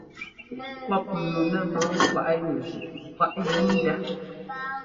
Pɔ́p nu nɛ lɔɔ kwaꞌ yú zʉꞌ kwaʼ yu ndá.